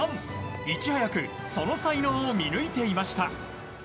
いち早くその才能を見抜いていました。